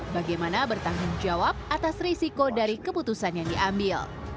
bagaimana bertanggung jawab atas risiko dari keputusan yang diambil